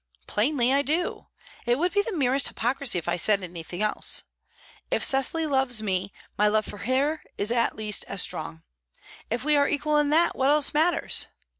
"Plainly, I do. It would be the merest hypocrisy if I said anything else. If Cecily loves me, my love for her is at least as strong. If we are equal in that, what else matters?